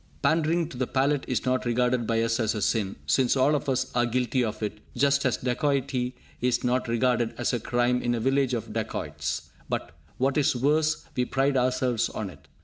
Pandering to the palate is not regarded by us as a sin, since all of us are guilty of it, just as dacoity is not regarded as a crime in a village of dacoits; but what is worse, we pride ourselves on it!